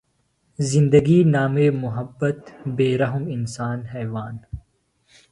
زندگیۡ نامے محبت بے رحمہ انسان حیون۔